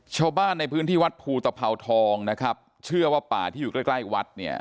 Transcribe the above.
ชาวบ้านในพื้นที่วัดภูตภาวทองนะครับเชื่อว่าป่าที่อยู่ใกล้ใกล้วัดเนี่ย